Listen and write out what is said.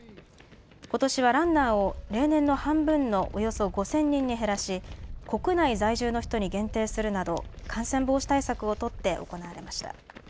ことしはランナーを例年の半分のおよそ５０００人に減らし国内在住の人に限定するなど感染防止対策を取って行われました。